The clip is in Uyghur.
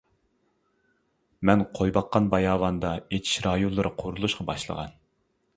مەن قوي باققان باياۋاندا ئېچىش رايونلىرى قۇرۇلۇشقا باشلىغان.